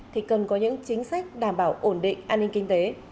thì cần có những chính sách đảm bảo ổn định an ninh kinh tế